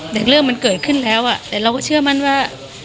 แต่เรื่องมันเกิดขึ้นแล้วแต่เราก็เชื่อมั่นว่า